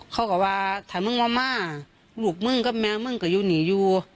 เขาก็ว่าถามเพียงมะลูกมึงกับแม่มึงก็อยู่หนีอยู่